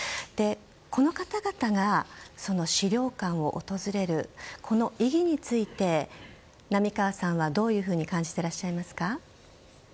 この方々が資料館を訪れるこの意義について並川さんはどういうふうに感じていらっしゃいますか。